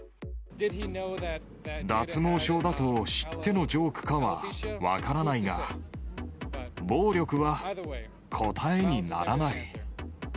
脱毛症だと知ってのジョークかは分からないが、暴力は答えにならない。